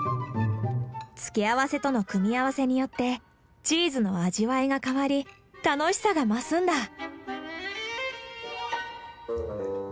付け合わせとの組み合わせによってチーズの味わいが変わり楽しさが増すんだ。